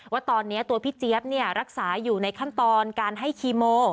ว่าตอนนี้ตัวพี่เจี๊ยบรักษาอยู่ในขั้นตอนการให้คีโม